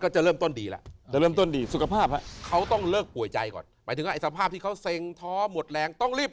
ออกไปจากตรงนี้